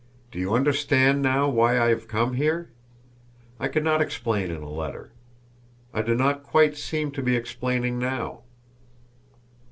Do you understand now why I have come here? I could not explain in a letter; I do not quite seem to be explaining now.